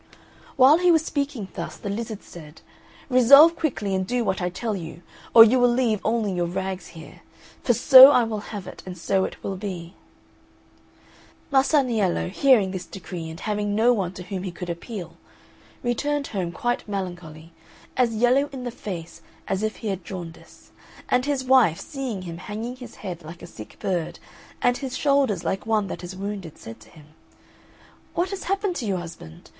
While he was speaking thus, the lizard said, "Resolve quickly and do what I tell you; or you will leave only your rags here. For so I will have it, and so it will be." Masaniello, hearing this decree and having no one to whom he could appeal, returned home quite melancholy, as yellow in the face as if he had jaundice; and his wife, seeing him hanging his head like a sick bird and his shoulders like one that is wounded, said to him, "What has happened to you, husband?